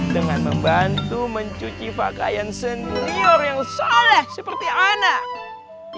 dengan membantu mencuci pakaian senior yang salah seperti anak